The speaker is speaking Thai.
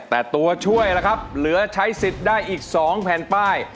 แต่ตัวช่วยล่ะครับเหลือใช้สิทธิ์ได้อีก๒แผ่นป้าย